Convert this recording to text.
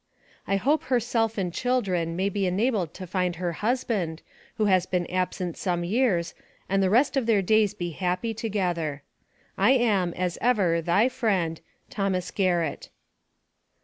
I hope herself and children may be enabled to find her husband, who has been absent some years, and the rest of their days be happy together. I am, as ever, thy friend, THOS. GARRETT.